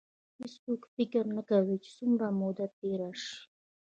هېڅوک فکر نه کوي چې څومره موده تېره شي.